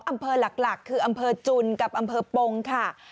อำเภอหลักคืออำเภอจุนกับอำเภอปงค่ะ